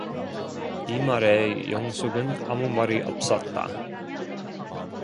이 말에 영숙은 아무 말이 없었다.